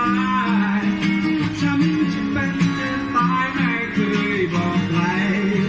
ทำฉันเป็นจนตายไม่เคยบอกใคร